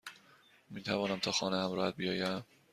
میتوانم تا خانه همراهت بیایم؟